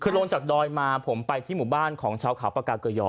คือลงจากดอยมาผมไปที่หมู่บ้านของชาวเขาปากาเกยอ